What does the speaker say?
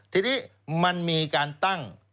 ทีนี้มันมีการตั้ง